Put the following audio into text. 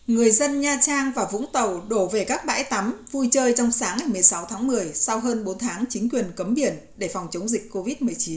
người dân nha trang và vũng tàu đổ về các bãi tắm vui chơi trong sáng ngày một mươi sáu tháng một mươi sau hơn bốn tháng chính quyền cấm biển để phòng chống dịch covid một mươi chín